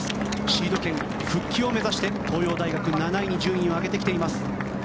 シード権復帰を目指して東洋大学、７位に順位を上げてきています。